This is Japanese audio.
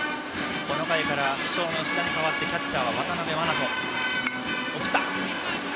この回から負傷の吉田に代わりキャッチャーは渡辺眞翔。